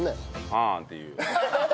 「ああ」って言うよ。